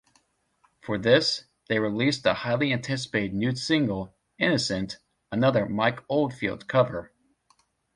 For this, they released the highly anticipated new single "Innocent", another Mike Oldfield cover.